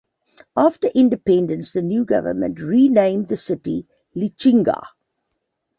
After independence the new government renamed the city Lichinga.